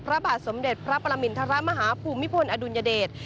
พระบาทสมเด็จพระปรมินทรมาฮภูมิพลอดุลยเดช